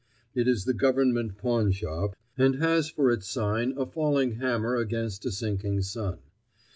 It is the Government pawnshop and ===has for its sign a falling hammer against a sinking sun.